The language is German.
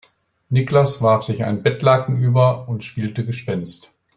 Niklas warf sich ein Bettlaken über und spielte Gespenst.